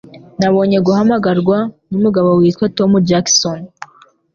Nabonye guhamagarwa numugabo witwa Tom Jackson.